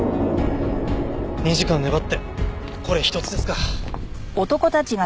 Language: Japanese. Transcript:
２時間粘ってこれ一つですか。